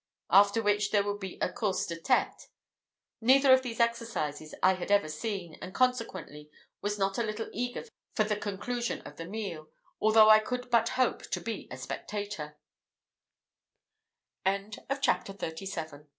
After which there would be a course des têtes. Neither of these exercises I had ever seen, and consequently was not a little eager for the conclusion of the meal, although I could but hope to be a spectator. CHAPTER XXXVIII.